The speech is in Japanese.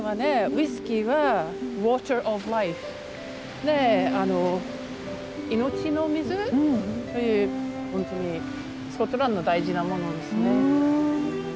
ウイスキーは「ＷａｔｅｒｏｆＬｉｆｅ」で「命の水」という本当にスコットランドの大事なものですね。